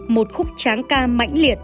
một khúc tráng ca mạnh liệt